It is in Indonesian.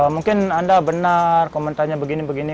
mungkin anda benar komentarnya begini begini